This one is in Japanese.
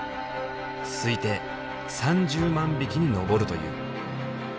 推定３０万匹に上るという。